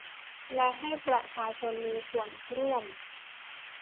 และให้ประชาชนมีส่วนร่วม